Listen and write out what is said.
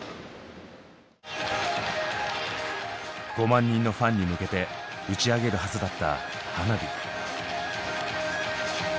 ５万人のファンに向けて打ち上げるはずだった花火。